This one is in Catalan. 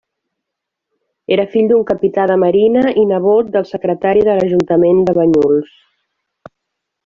Era fill d'un capità de marina i nebot del Secretari de l'ajuntament de Banyuls.